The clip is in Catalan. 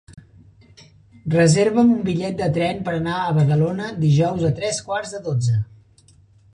Reserva'm un bitllet de tren per anar a Badalona dijous a tres quarts de dotze.